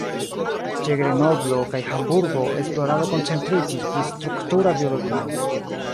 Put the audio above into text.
Ĉe Grenoblo kaj Hamburgo, esplorado koncentriĝis pri struktura biologio.